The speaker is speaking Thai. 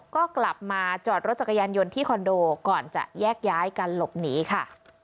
ก็กลับมาจอดรถจักรยานยนต์ที่คอนโดก่อนจะแยกย้ายกันหลบหนีค่ะ